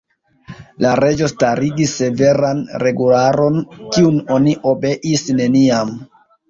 La Reĝo starigis severan regularon, kiun oni obeis neniam.